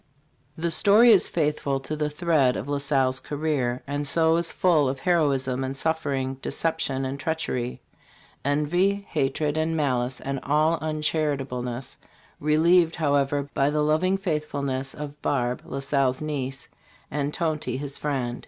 The story is faithful to the thread of La Salle's career, and so is full of heroism and suffering, deception and treachery, "envy, hatred and malice and all uncharitableness, " relieved, however, by the loving faithfulness of Barbe, La Salle's niece, and Tonty, his friend.